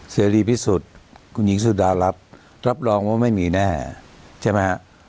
เสรีพิสุทธิ์คุณหญิงสุดารับรับรองว่าไม่มีแน่ใช่ไหมฮะ